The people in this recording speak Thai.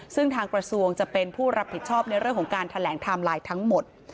ซึ่งทางกระทรวงจะเป็นผู้รับผิดชอบในเรื่องของการแถลงไทม์ไลน์ทั้งหมด